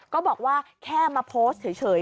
ก็บอกว่าแค่มาโพสต์เฉย